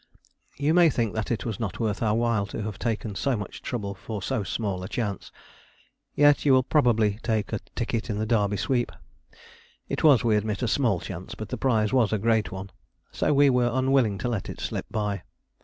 You may think that it was not worth our while to have taken so much trouble for so small a chance, yet you probably take a ticket in the Derby Sweep. It was, we admit, a small chance, but the prize was a great one, so we were unwilling to let it slip by.